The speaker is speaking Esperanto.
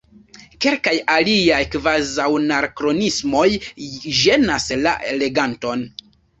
Kelkaj aliaj kvazaŭanakronismoj ĝenas la leganton.